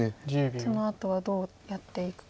そのあとはどうやっていくか。